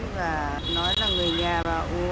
và nói là người nhà